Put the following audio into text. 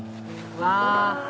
うわ！